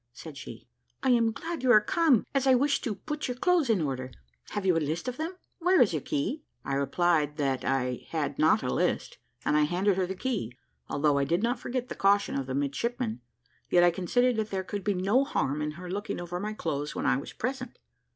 said she, "I am glad you are come, as I wish to put your clothes in order. Have you a list of them where is your key?" I replied that I had not a list, and I handed her the key, although I did not forget the caution of the midshipman; yet I considered that there could be no harm in her looking over my clothes when I was present.